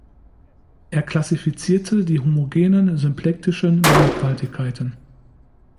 Er klassifizierte die homogenen symplektischen Mannigfaltigkeiten.